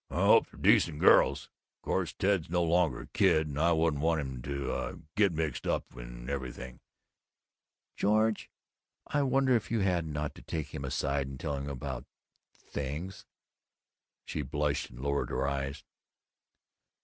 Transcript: "I hope they're decent girls. Course Ted's no longer a kid, and I wouldn't want him to, uh, get mixed up and everything." "George: I wonder if you oughtn't to take him aside and tell him about Things!" She blushed and lowered her eyes.